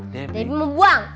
debbie mau buang